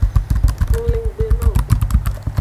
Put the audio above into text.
Ng le nggbe no wo.